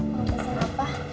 mau pesen apa